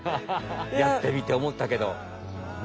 やってみておもったけど。